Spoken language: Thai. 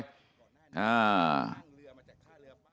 เห็นเกาะตาลูเตาเลย